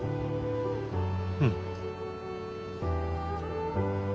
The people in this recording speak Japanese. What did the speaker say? うん。